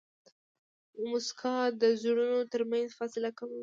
موسکا د زړونو ترمنځ فاصله کموي.